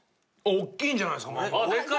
おっきいんじゃないすか？